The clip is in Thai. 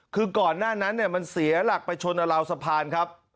คือก่อนหน้านั้นมันเสียหลักไปชนราวสะพานครับ